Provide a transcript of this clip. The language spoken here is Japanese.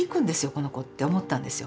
この子って思ったんですよ。